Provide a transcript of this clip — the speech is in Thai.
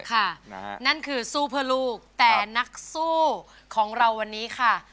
นั่นคือสู้เพื่อลูกแต่นักสู้ของเราวันนี้ค่ะ